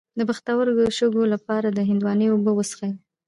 د پښتورګو د شګو لپاره د هندواڼې اوبه وڅښئ